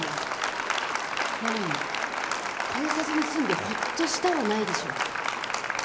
なのに「殺さずに済んでホッとした」はないでしょう。